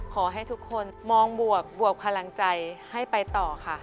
ขอให้ทุกคนมองบวกบวกพลังใจให้ไปต่อค่ะ